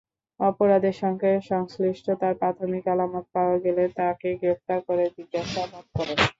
অপরাধের সঙ্গে সংশ্লিষ্টতার প্রাথমিক আলামত পাওয়া গেলে তাকে গ্রেফতার করে জিজ্ঞাসাবাদ করে।